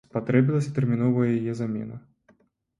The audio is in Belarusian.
Спатрэбілася тэрміновая яе замена.